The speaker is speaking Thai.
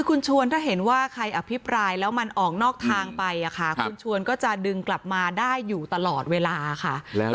คุณชวนถ้าเห็นว่าใครอภิปรายแล้วมันออกนอกทางไปคุณชวนก็จะดึงกลับมาได้อยู่ตลอดเวลาค่ะ